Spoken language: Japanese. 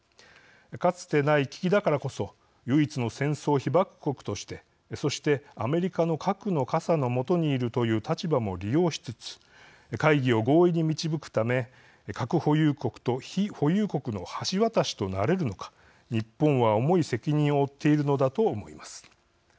かつてない危機だからこそ唯一の戦争被爆国としてそしてアメリカの核の傘の下にいるという立場も利用しつつ会議を合意に導くため核保有国と非保有国の橋渡しとなれるのか日本は重い責任を負っているのだと思います。